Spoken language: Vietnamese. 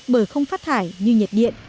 bởi không phát thải như nhiệt điện